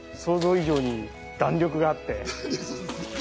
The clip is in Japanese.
想像以上に弾力があって。